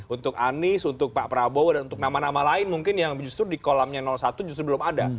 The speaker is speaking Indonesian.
untuk anies untuk pak prabowo dan untuk nama nama lain mungkin yang justru di kolamnya satu justru belum ada